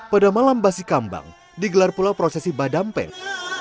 pada malam basikambang digelar pula prosesi badampeng